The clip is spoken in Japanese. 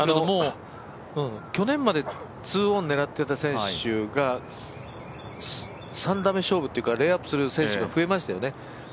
もう、去年まで２オン狙っていた選手が３打目勝負というかレイアップする選手が増えましたよね。